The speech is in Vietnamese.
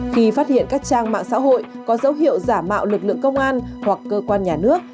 khi phát hiện các trang mạng xã hội có dấu hiệu giả mạo lực lượng công an hoặc cơ quan nhà nước